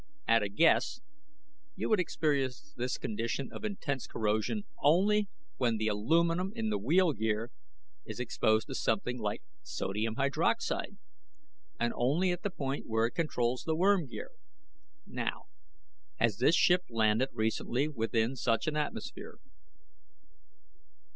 At a guess, you would experience this condition of intense corrosion only when the aluminum in the wheel gear is exposed to something like sodium hydroxide, and only at the point where it controls the worm gear. Now, has this ship landed recently within such an atmosphere?"